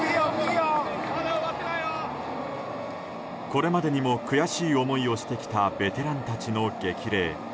これまでにも悔しい思いをしてきたベテランたちの激励。